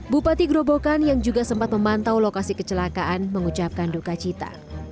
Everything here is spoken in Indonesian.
bupati grobokan yang juga sempat memantau lokasi kecelakaan mengucapkan duka cita